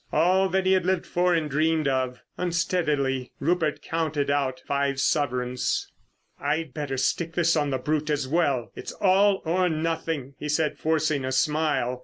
All that he had lived for and dreamed of. Unsteadily Rupert counted out five sovereigns. "I'd better stick this on the brute as well, it's all or nothing," he said, forcing a smile.